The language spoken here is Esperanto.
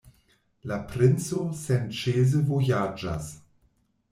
La princo senĉese vojaĝas.